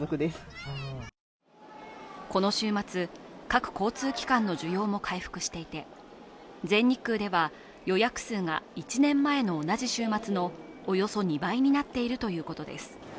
この週末、各交通機関の需要も回復していて、全日空では、予約数が１年前の同じ週末のおよそ２倍になっているということです。